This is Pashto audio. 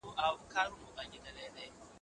زه هره ورځ د سبا لپاره د سوالونو جواب ورکوم!؟